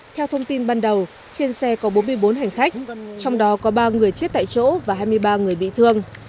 theo thông tin ban đầu trên xe có bốn mươi bốn hành khách trong đó có ba người chết tại chỗ và hai mươi ba người bị thương